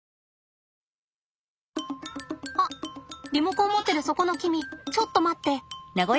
あリモコン持ってるそこの君ちょっと待って。